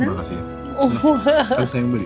terima kasih enak enak sayang beri